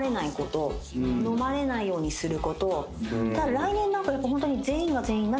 来年何かやっぱホントに。